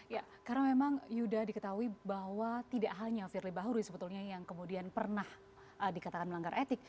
ya karena memang yuda diketahui bahwa tidak hanya firly bahuri sebetulnya yang kemudian pernah dikatakan melanggar etik